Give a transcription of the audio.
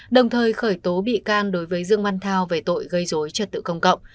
đồng thời khởi tố bị can đối với dương văn thao về tội gây dối trật tự công cộng